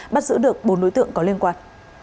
bắt giữ được bốn đối tượng có liên quan